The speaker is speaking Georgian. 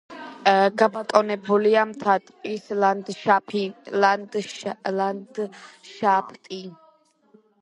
გაბატონებულია მთა-ტყის ლანდშაფტი.